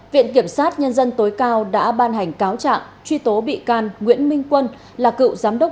viện kiểm sát nhân dân tối cao đã ban hành cáo trạng truy tố bị can nguyễn minh quân là cựu giám đốc